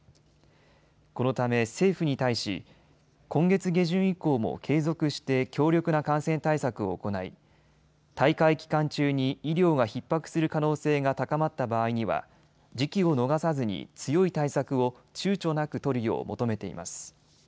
このため政府に対し、今月下旬以降も継続して強力な感染対策を行い大会期間中に医療がひっ迫する可能性が高まった場合には時期を逃さずに強い対策をちゅうちょなく取るよう求めています。